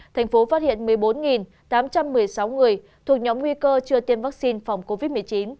thành phố phát hiện một mươi bốn tám trăm một mươi sáu người thuộc nhóm nguy cơ chưa tiêm vaccine phòng covid một mươi chín